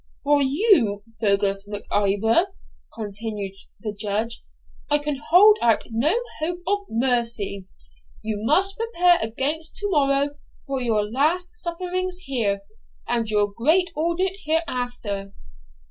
'For you, Fergus Mac Ivor,' continued the Judge, 'I can hold out no hope of mercy. You must prepare against to morrow for your last sufferings here, and your great audit hereafter.'